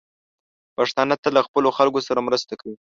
پښتانه تل له خپلو خلکو سره مرسته کوي.